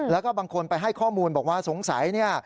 แล้วก็บางคนไปให้ข้อมูลบอกว่าสงสัยเนี่ย